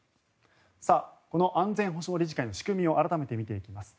この安全保障理事会の仕組みを改めて見ていきます。